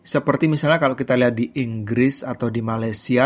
seperti misalnya kalau kita lihat di inggris atau di malaysia